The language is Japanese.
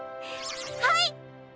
はい！